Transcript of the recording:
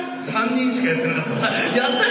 ３人しかやってなかった。